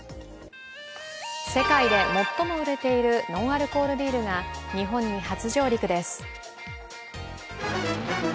世界で最も売れているノンアルコールビールが日本に初上陸です。